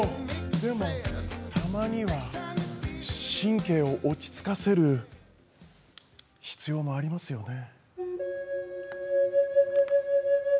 でもたまには神経を落ち着かせる必要もありますよね。